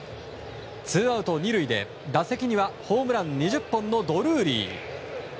ツーアウト２塁で打席にはホームラン２０本のドルーリー。